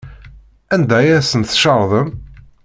Anda ay asent-tcerḍem?